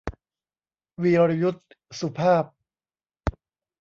วีรยุทธ สุภาพ